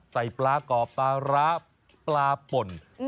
ใส่ปลาก่อปลาร้าปลาป่น